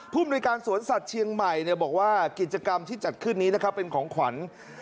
มนุยการสวนสัตว์เชียงใหม่บอกว่ากิจกรรมที่จัดขึ้นนี้นะครับเป็นของขวัญ